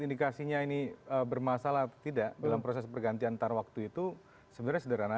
indikasinya ini bermasalah atau tidak dalam proses pergantian antar waktu itu sebenarnya sederhana